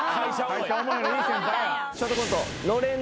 ショートコント